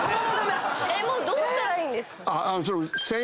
どうしたらいいんですか？